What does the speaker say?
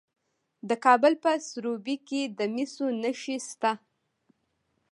د کابل په سروبي کې د مسو نښې شته.